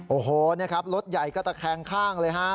โอ้โหนี่ครับรถใหญ่ก็ตะแคงข้างเลยฮะ